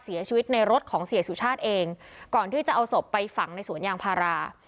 เสียชีวิตในรถของเสียสุชาติเองก่อนที่จะเอาศพไปฝังในสวนยางพารา